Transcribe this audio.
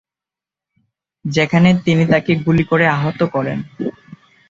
যেখানে তিনি তাকে গুলি করে আহত করেন।